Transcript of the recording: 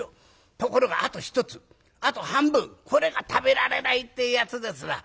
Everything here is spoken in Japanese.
ところがあと一つあと半分これが食べられないってやつですな。